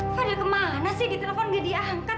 fadil kemana sih di telepon gak diangkat